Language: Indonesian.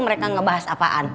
mereka ngebahas apaan